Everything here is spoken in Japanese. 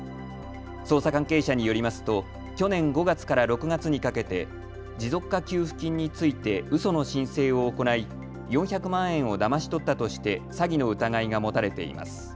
捜査関係者によりますと去年５月から６月にかけて持続化給付金についてうその申請を行い４００万円をだまし取ったとして詐欺の疑いが持たれています。